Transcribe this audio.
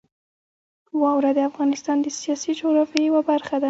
واوره د افغانستان د سیاسي جغرافیې یوه برخه ده.